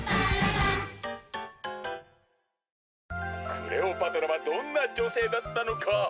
「クレオパトラはどんなじょせいだったのか？